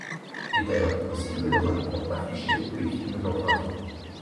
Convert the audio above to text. Il est alors possible de rapidement afficher tous les films empruntés.